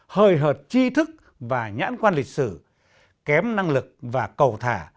hời hợt chi thức và nhãn quan lịch sử kém năng lực và cầu thả